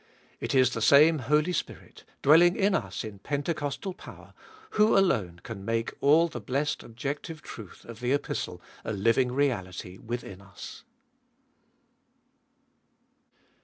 It is the same Holy Spirit, dwelling in us in Pentecostal power, who alone can make all the blessed objective truth of the Epistle a living reality within us.